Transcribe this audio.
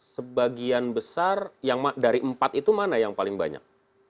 sebagian besar dari empat itu mana yang paling banyak